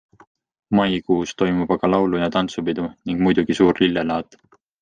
Maikuus toimub aga laulu- ja tantsupidu ning muidugi suur lillelaat.